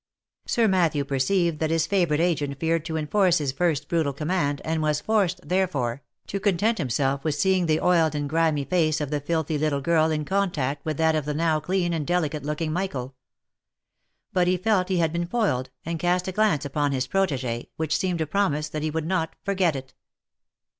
Sir Matthew perceived that his favourite agent feared to enforce his first brutal command, and was forced, therefore, to content himself with seeing the oiled and grimy face of the filthy little girl in contact with that of the now clean and delicate looking Michael. But he felt he had been foiled, and cast a glance upon his protege, which seemed to promise that he would not forget it.